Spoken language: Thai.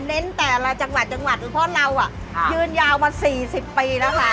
เน้นแต่ละจังหวัดคือเพราะเรายืนยาวมา๔๐ปีนะคะ